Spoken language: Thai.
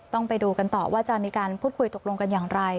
ไปดูกันต่อว่าจะมีการพูดคุยตกลงกันอย่างไร